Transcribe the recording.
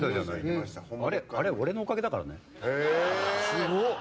すごっ。